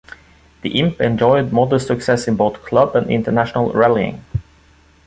The Imp enjoyed modest success in both club and international rallying.